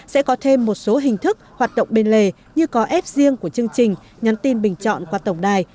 sẽ có thêm một số hình thức hoạt động bên lề như có ép riêng của chương trình nhắn tin bình chọn qua tổng đài